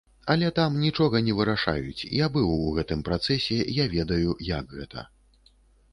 Але там нічога не вырашаюць, я быў у гэтым працэсе, я ведаю, як гэта.